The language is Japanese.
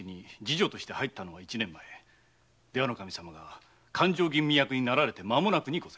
出羽守様が勘定吟味役になられてまもなくのこと。